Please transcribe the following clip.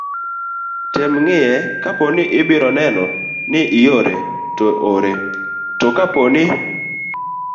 tem ng'iye kapo ni ibiro neno ni iore, to ore. to kapo ni